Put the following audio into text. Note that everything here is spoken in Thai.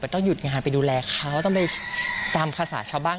ต้องหยุดงานไปดูแลเขาต้องไปตามภาษาชาวบ้าน